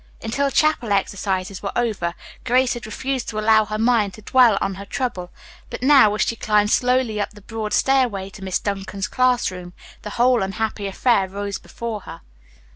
Until chapel exercises were over, Grace had refused to allow her mind to dwell on her trouble, but now, as she climbed slowly up the broad stairway to Miss Duncan's class room, the whole unhappy affair rose before her.